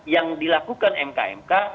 yang dilakukan mkmk